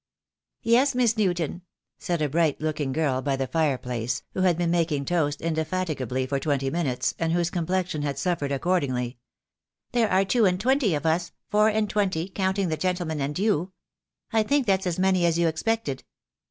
"Yes, Miss Newton," said a bright looking girl by the fire place, who had been making toast indefatigably for twenty minutes, and whose complexion had suffered ac cordingly. "There are two and twenty of us, four and twenty, counting the gentleman and you. I think that's as many as you expected."